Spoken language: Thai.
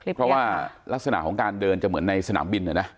เพราะว่ารักษณะของการเดินจะเหมือนในสนามบิน